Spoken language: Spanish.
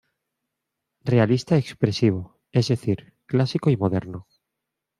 Realista expresivo, es decir, clásico y moderno.